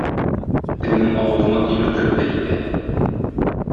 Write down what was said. Тегенең авызына тимер кереп тә китә.